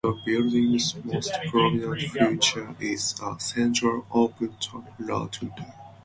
The building's most prominent feature is a central open-top rotunda.